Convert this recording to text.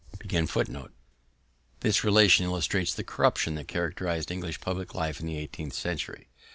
This relation illustrates the corruption that characterized English public life in the eighteenth century.